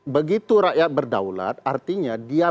begitu rakyat berdaulat artinya dia